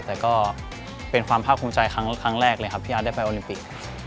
แต่ก็เป็นความภาคภูมิใจครั้งแรกเลยครับที่อาร์ตได้ไปโอลิมปิก